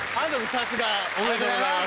さすが！おめでとうございます。